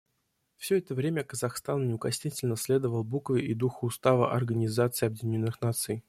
Все это время Казахстан неукоснительно следовал букве и духу Устава Организации Объединенных Наций.